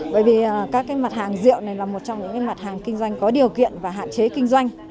bởi vì các mặt hàng rượu này là một trong những mặt hàng kinh doanh có điều kiện và hạn chế kinh doanh